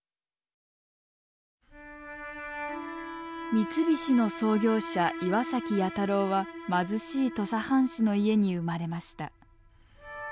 三菱の創業者岩崎弥太郎は貧しい土佐藩士の家に生まれました。